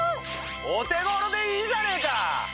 お手頃でいいじゃねえか！